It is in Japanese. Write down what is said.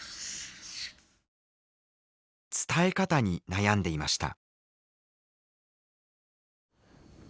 伝え方に悩んでいました。